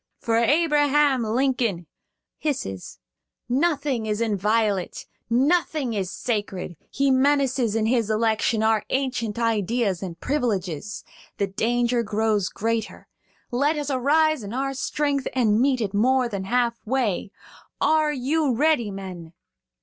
For Abraham Lincoln (hisses) nothing is inviolate, nothing sacred; he menaces, in his election, our ancient ideas and privileges. The danger grows greater. Let us arise in our strength and meet it more than half way. Are you ready, men?"